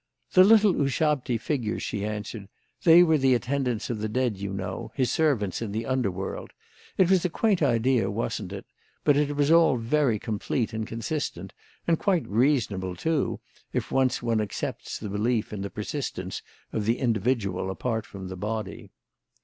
"The little Ushabti figures," she answered; "they were the attendants of the dead, you know, his servants in the under world. It was a quaint idea, wasn't it? But it was all very complete and consistent, and quite reasonable, too, if once one accepts the belief in the persistence of the individual apart from the body."